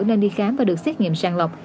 nên đi khám và được xét nghiệm sang lọc